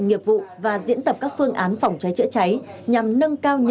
nhiệm vụ và diễn tập các phương án